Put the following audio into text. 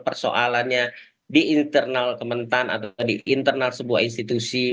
persoalannya di internal kementan atau di internal sebuah institusi